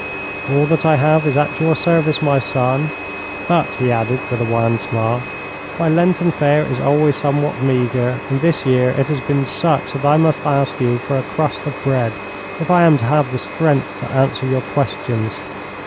'All that I have is at your service, my son. But,' he added, with a wan smile, 'my Lenten fare is always somewhat meagre, and this year it has been such that I must ask you for a crust of bread if I am to have the strength to answer your questions.'